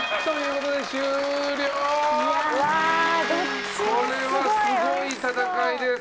これはすごい戦いです。